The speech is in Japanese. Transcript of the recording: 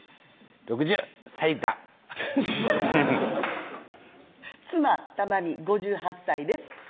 ６０歳だ妻・玉美５８歳です